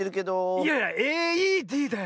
いやいやＡＥＤだよ。